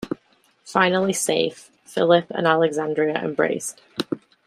Finally safe, Philip and Alexandria embrace.